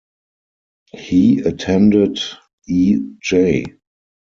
He attended E. J.